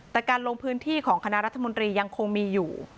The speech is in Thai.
แต่การลงพื้นที่ของคณะรัฐมนตรียังคงมีอยู่